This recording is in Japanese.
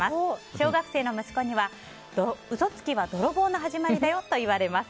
小学生の息子には嘘つきは泥棒の始まりだよと言われます。